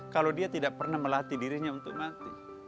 kalau dia tidak pernah melatih dirinya untuk mati